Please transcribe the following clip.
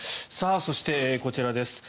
そして、こちらです。